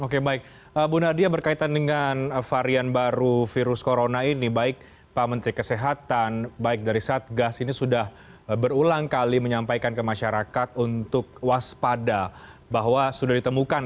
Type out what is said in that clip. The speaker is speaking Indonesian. oke baik bu nadia berkaitan dengan varian baru virus corona ini baik pak menteri kesehatan baik dari satgas ini sudah berulang kali menyampaikan ke masyarakat untuk waspada bahwa sudah ditemukan